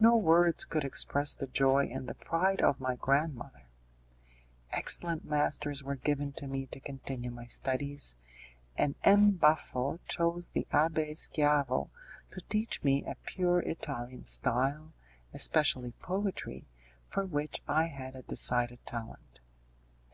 No words could express the joy and the pride of my grandmother. Excellent masters were given to me to continue my studies, and M. Baffo chose the Abbé Schiavo to teach me a pure Italian style, especially poetry, for which I had a decided talent.